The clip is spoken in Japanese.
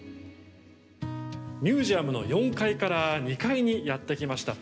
ミュージアムの４階から２階にやって来ました。